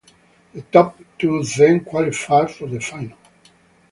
The top two then qualified for the final.